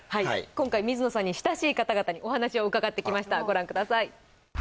今回水野さんに親しい方々にお話を伺ってきましたご覧ください